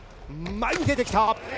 前に出てきた。